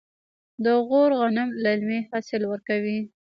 د غور غنم للمي حاصل ورکوي.